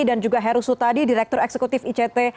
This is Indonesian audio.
dan juga heru sutadi direktur eksekutif ict